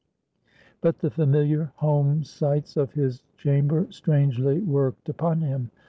But the familiar home sights of his chamber strangely worked upon him.